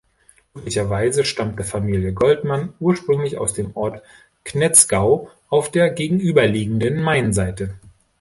Möglicherweise stammte Familie Goldmann ursprünglich aus dem Ort Knetzgau auf der gegenüberliegenden Mainseite.